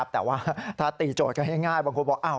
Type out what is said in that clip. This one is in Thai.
แต่ว่าถ้าตีโจทย์กันง่ายบางคนบอก